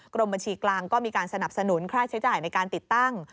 กรมบัญชีกลางก็มีการสนับสนุนค่าใช้จ่ายในการติดตั้ง